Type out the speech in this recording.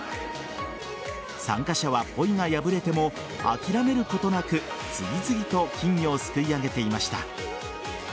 参加者はポイが破れても諦めることなく、次々と金魚をすくい上げていました。